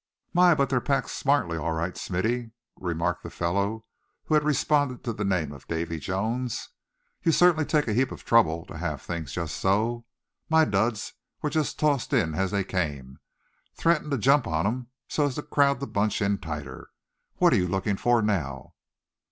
"My! but they're packed smartly, all right, Smithy," remarked the fellow who had responded to the name of Davy Jones; "you certainly take a heap of trouble to have things just so. My duds were just tossed in as they came. Threatened to jump on 'em so as to crowd the bunch in tighter. What are you looking for now?"